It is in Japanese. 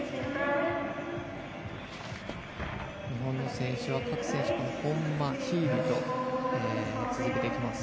日本の選手は各選手ホンマ、ヒーリーと続けていきます。